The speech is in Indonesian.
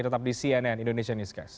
tetap di cnn indonesia newscast